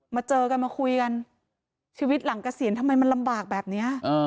เจอกันมาคุยกันชีวิตหลังเกษียณทำไมมันลำบากแบบนี้